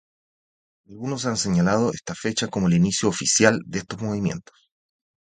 Algunos han señalado esta fecha como el inicio oficial de estos movimientos.